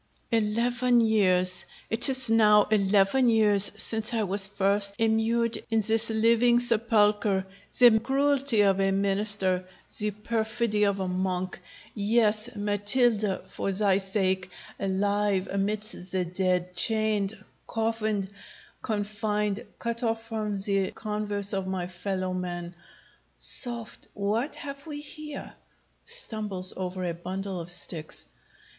_ ROGERO. Eleven years! it is now eleven years since I was first immured in this living sepulchre; the cruelty of a Minister the perfidy of a Monk yes, Matilda! for thy sake alive amidst the dead chained coffined confined cut off from the converse of my fellow men. Soft! what have we here! [_Stumbles over a bundle of sticks.